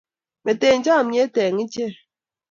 Mitei chomnyet eng ichei